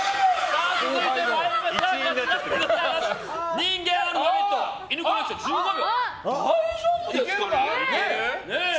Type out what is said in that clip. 続いて、人間アルファベットイヌコネクション、１５秒。